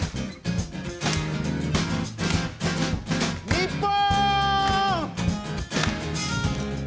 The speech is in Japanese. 日本！